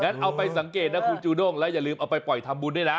เอาไปสังเกตนะคุณจูด้งแล้วอย่าลืมเอาไปปล่อยทำบุญด้วยนะ